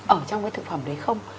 ở trong cái thực phẩm đấy không